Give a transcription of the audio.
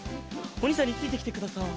おにいさんについてきてください。